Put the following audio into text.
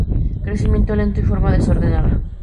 Crecimiento lento y forma desordenada.